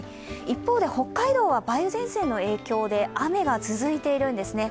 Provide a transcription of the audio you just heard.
一方で北海道は梅雨前線の影響で雨が続いているんですね。